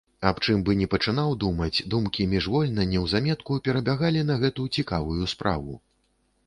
Аб чым бы ні пачынаў думаць, думкі міжвольна, неўзаметку перабягалі на гэту цікавую справу.